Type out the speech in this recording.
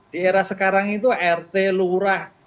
di era sekarang itu rt lurah